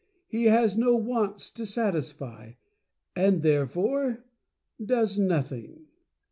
He has no wants to satisfy, and therefore Does Nothing.